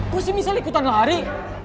kok sih misal ikutan lari